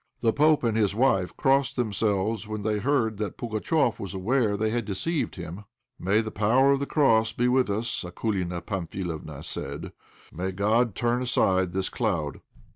The pope and his wife crossed themselves when they heard that Pugatchéf was aware they had deceived him. "May the power of the cross be with us!" Akoulina Pamphilovna said. "May God turn aside this cloud.